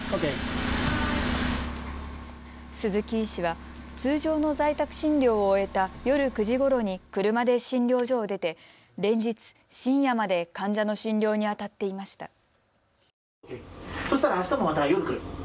鈴木医師は通常の在宅診療を終えた夜９時ごろに車で診療所を出て連日、深夜まで患者の診療にあたっていました。